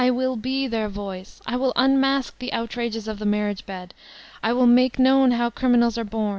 wiU be their voice. I will un mask the outrages of the marriage bed I will make known how criminals are bom.